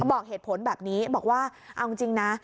บอกเหตุผลแบบนี้บอกว่าเอาจริงนะ